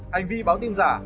hành vi báo tin giả